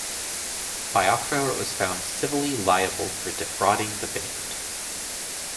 Biafra was found civilly liable for defrauding the band.